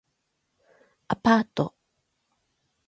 アパート